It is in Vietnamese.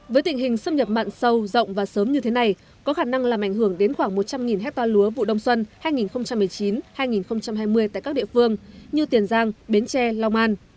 với tình hình xâm nhập mặn sâu rộng và sớm như thế này có khả năng làm ảnh hưởng đến khoảng một trăm linh hectare lúa vụ đông xuân hai nghìn một mươi chín hai nghìn hai mươi tại các địa phương như tiền giang bến tre long an